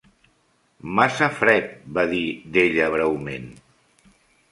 "Massa fred", va dir della breument.